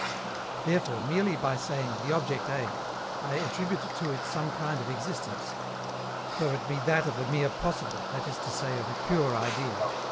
Therefore, merely by saying "The object A," I attribute to it some kind of existence, though it be that of a mere possible, that is to say, of a pure idea.